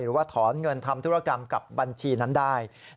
หรือว่าถอนเงินทำธุรกรรมกับบัญชีนั้นได้